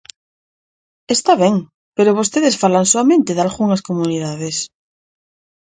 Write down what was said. Está ben, pero vostedes falan soamente dalgunhas comunidades.